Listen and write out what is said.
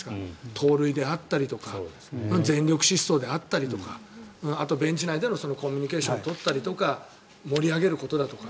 盗塁であったりとか全力疾走であったりとかベンチ内でのコミュニケーションを取ったりとか盛り上げることだとか。